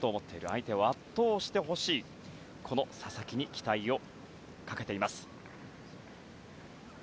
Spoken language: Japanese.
相手を圧倒してほしいとこの佐々木に期待をかけています。